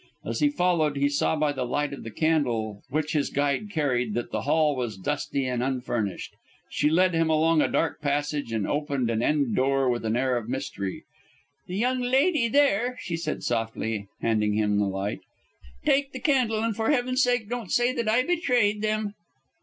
As he followed he saw by the light of the candle which his guide carried that the hall was dusty and unfurnished. She led him along a dark passage and opened an end door with an air of mystery. "The young lady there," she said softly, and handing him the light. "Take the candle, and for heaven's sake don't say that I betrayed them."